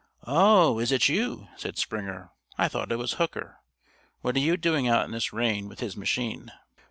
"Oh, is it you?" said Springer. "I thought it was Hooker. What are you doing out in this rain with his machine?"